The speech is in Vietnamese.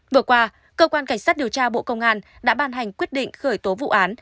vừa qua cơ quan cảnh sát điều tra bộ công an đã ban hành quyết định khởi tố vụ án